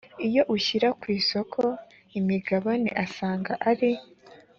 iyo ushyira ku isoko imigabane asanga ari